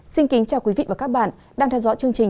xin kính chào quý vị và các bạn đang theo dõi chương trình